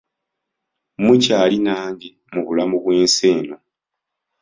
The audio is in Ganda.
Mukyali nange mu bulamu bw'ensi eno.